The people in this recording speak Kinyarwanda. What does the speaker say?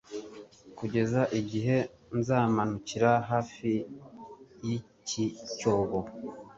kugeza igihe nzamanukira hafi y'iki cyobo